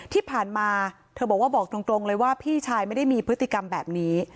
ที่ผ่านมาเธอบอกว่าบอกตรงเลยว่าพี่ชายไม่ได้มีพฤติกรรมแบบนี้